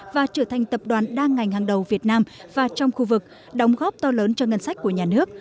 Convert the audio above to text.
và trở thành tập đoàn đa ngành hàng đầu việt nam và trong khu vực đóng góp to lớn cho ngân sách của nhà nước